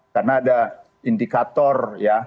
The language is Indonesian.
karena ada indikator ya